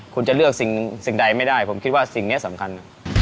คุณจะเลือกสิ่งใดไม่ได้ผมคิดว่าสิ่งนี้สำคัญ